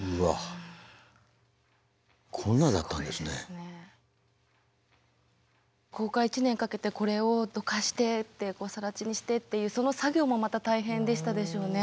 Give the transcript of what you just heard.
ここから１年かけてこれをどかしてさら地にしてっていうその作業もまた大変でしたでしょうね。